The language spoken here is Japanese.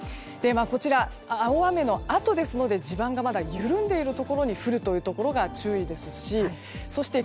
こちら、大雨のあとですので地盤が緩んでいるところに降るというところが注意ですしそして